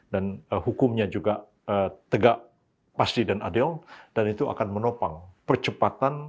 dan hukumnya juga tegak pasti dan adil dan itu akan menopang percepatan